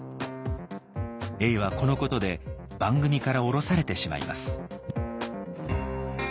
永はこのことで番組から降ろされてしまいます。